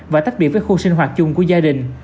và tách biệt với khu sinh hoạt chung của gia đình